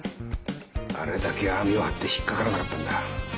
あれだけ網を張って引っかからなかったんだ。